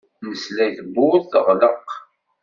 Nesla i tewwurt teɣleq.